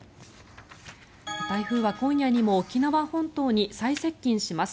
台風は今夜にも沖縄本島に最接近します。